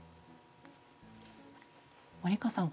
森川さん